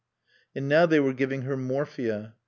And now they were giving her morphia.